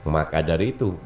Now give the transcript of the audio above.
maka dari itu